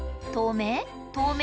透明？